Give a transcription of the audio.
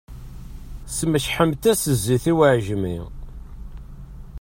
Smecḥemt-as zzit i uεejmi.